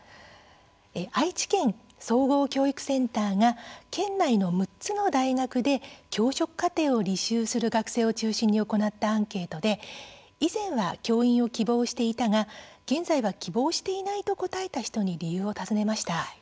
愛知県総合教育センターが県内の６つの大学で教職課程を履修する学生を中心に行ったアンケートで以前は教員を希望していたが現在は希望していないと答えた人に理由を尋ねました。